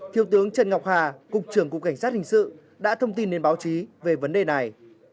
thiếu tướng trần ngọc hà cục trưởng cục cảnh sát hình sự đã thông tin đến báo chí về vấn đề này